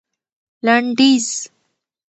لنډيز